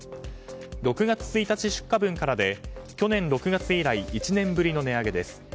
６月１日出荷分からで去年６月以来１年ぶりの値上げです。